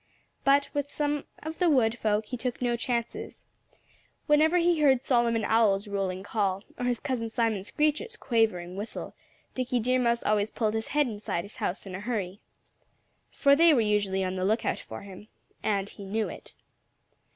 But with some of the wood folk he took no chances. Whenever he heard Solomon Owl's rolling call, or his cousin Simon Screecher's quavering whistle, Dickie Deer Mouse always pulled his head inside his house in a hurry. For they were usually on the lookout for him. And he knew it.